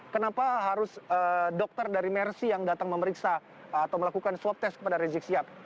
kenapa harus dokter dari mersi yang datang memeriksa atau melakukan swab test kepada rizik sihab